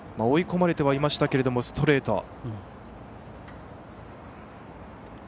追い込まれてはいましたけれどもストレート。